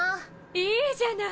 いいじゃない！